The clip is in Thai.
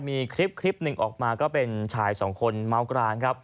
มีคลิปหนึ่งออกมาก็เป็นชาย๒คนเมาส์กลาง